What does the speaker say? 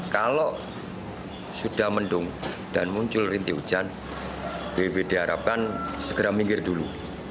kalau sudah mendung dan muncul rinti hujan bppd harapkan segera minggir dulu